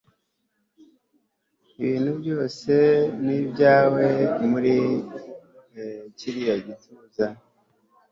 Ibintu byose ni ibyawe muri kiriya gituza